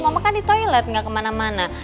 mama kan di toilet nggak kemana mana